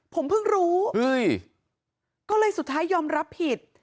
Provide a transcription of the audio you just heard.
ผมเพิ่งรู้ก็เลยสุดท้ายยอมรับผิด